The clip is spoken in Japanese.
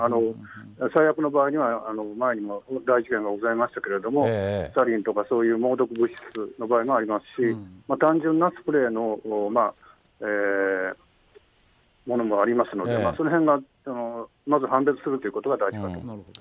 最悪の場合には、前にも大事件がございましたけれども、サリンとかそういう猛毒物質の場合もありますし、単純なスプレーのものもありますので、そのへん、まず判別するということが大事かと思います。